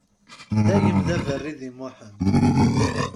Dayem d aberri di Muḥend.